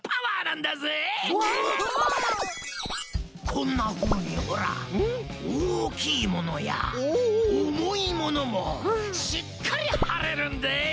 こんなふうにほらおおきいものやおもいものもしっかりはれるんでえ！